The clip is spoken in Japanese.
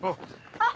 あっ！